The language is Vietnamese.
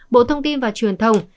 bộ thông tin và truyền thông